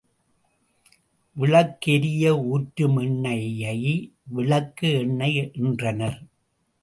விளக்கு எரிய ஊற்றும் எண்ணெயை, விளக்கு எண்ணெய் என்றனர்.